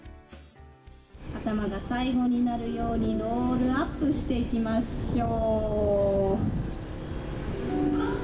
頭が最後になるようにロールアップしていきましょう。